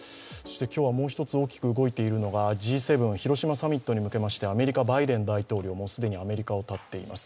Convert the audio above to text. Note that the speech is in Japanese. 今日はもう１つ、大きく動いているのがＧ７広島サミットに向けましてアメリカ・バイデン大統領、既にアメリカを発っています。